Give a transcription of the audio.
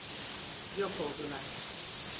Yok oldular.